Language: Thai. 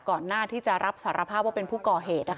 หน้าที่จะรับสารภาพว่าเป็นผู้ก่อเหตุ